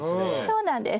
そうなんです。